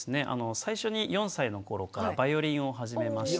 最初に４歳のころからバイオリンを始めまして。